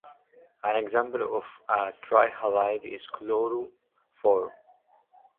An example of a trihalide is chloroform.